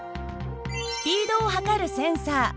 スピードを測るセンサー。